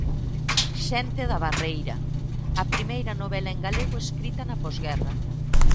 'Xente da barreira', a primeira novela en galego escrita na posguerra.